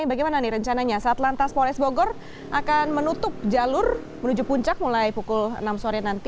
bagaimana nih rencananya saat lantas polres bogor akan menutup jalur menuju puncak mulai pukul enam sore nanti